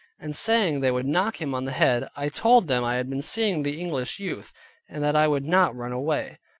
and saying they would knock him on the head. I told them I had been seeing the English youth, and that I would not run away.